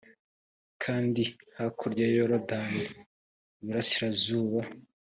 kandi hakurya ya yorodani iburasirazuba